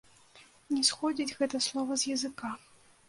Не сходзіць гэта слова з языка.